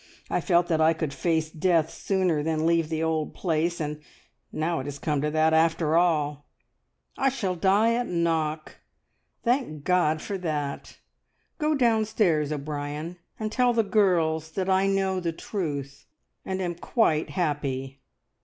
I felt that I could face death sooner than leave the old place, and now it has come to that after all. I shall die at Knock! Thank God for that! Go downstairs, O'Brien, and tell the girls that I know the truth, and am quite happy.